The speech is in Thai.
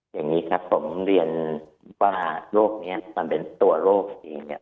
อย่างนี้ครับผมเรียนว่าโรคนี้มันเป็นตัวโรคเองเนี่ย